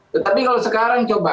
tetapi kalau sekarang coba